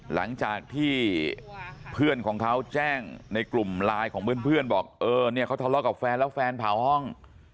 หลังจากที่เพื่อนของเขาแจ้งในกลุ่มไลน์ของเพื่อนบอกเออเนี่ยเขาทะเลาะกับแฟนแล้วแฟนเผาห้อง